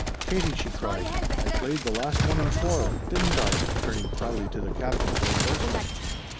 "Katie," she cried, "I played the last one in four. Didn't I?" turning proudly to the Captain for endorsement.